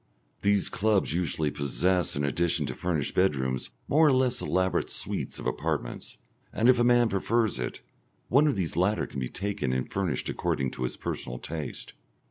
These clubs usually possess in addition to furnished bedrooms more or less elaborate suites of apartments, and if a man prefers it one of these latter can be taken and furnished according to his personal taste.